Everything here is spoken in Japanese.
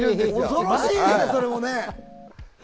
恐ろしいですね、それも。